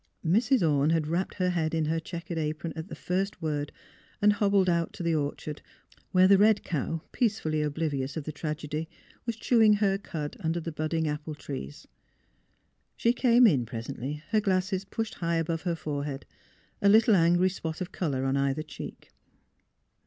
Mrs. Orne had wrapped her head in her checkered apron at the first word and hobbled out to the orchard, where the red cow, peacefully ob livious of the tragedy, was chewing her cud under the budding apple trees. She came in presently, her glasses pushed high above her forehead, a little angry spot of colour on either cheek.